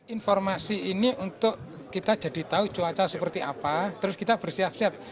informasi ini untuk kita jadi tahu cuaca seperti apa terus kita bersiap siap